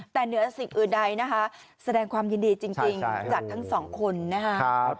แต่เหนือสิ่งอื่นใดนะคะแสดงความยินดีจริงจากทั้งสองคนนะครับ